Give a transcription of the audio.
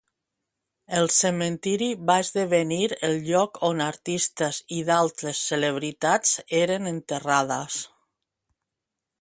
El cementiri va esdevenir el lloc on artistes i d'altres celebritats eren enterrades.